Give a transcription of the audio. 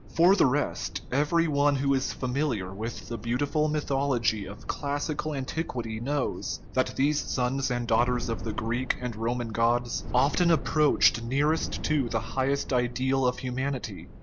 For the rest, every one who is familiar with the beautiful mythology of classical an tiquity knows that these sons and daughters of the Greek and Roman gods often approach nearest to the highest ideal of humanity.